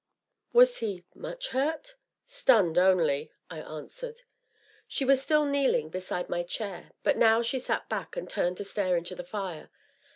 "Was he much hurt?" "Stunned only," I answered. She was still kneeling beside my chair, but now she sat back, and turned to stare into the fire.